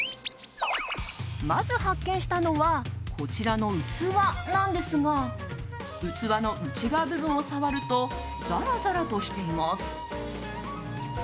まず発見したのはこちらの器なんですが器の内側部分を触るとザラザラとしています。